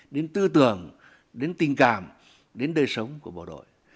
đến tư tưởng đến tình cảm đến đời sống của bộ đội